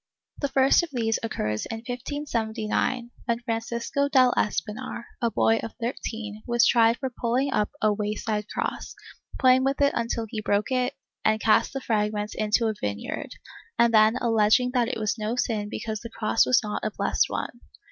The first of these occurs in 1579, when Francisco del Espinar, a boy of 13, was tried for pulling up a way side cross, playing with it until he broke it and cast the fragments into a vineyard, and then alleging that it was no sin because the cross was not a blessed one.